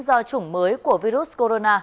do chủng mới của virus corona